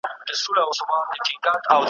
«وروستۍ خبره دې وکړه.»